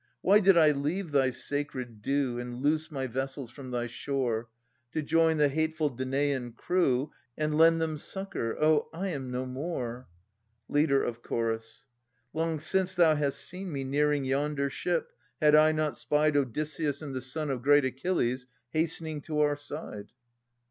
Why did I leave thy sacred dew And loose my vessels from thy shore, To join the hateful Danadn crew And lend them succour? Oh, I am no more! Leader of Ch. Long since thou hadst seen me nearing yonder ship, Had I not spied Odysseus and the son Of great Achilles hastening to our side.